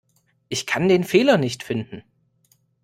Ich kann den Fehler nicht finden.